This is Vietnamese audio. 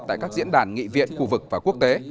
tại các diễn đàn nghị viện khu vực và quốc tế